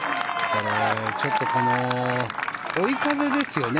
ちょっと追い風ですよね。